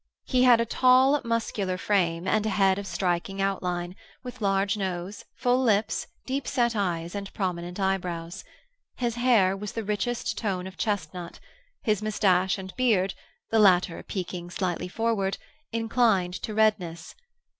He had a tall, muscular frame, and a head of striking outline, with large nose, full lips, deep set eyes, and prominent eyebrows. His hair was the richest tone of chestnut; his moustache and beard—the latter peaking slightly forward—inclined to redness.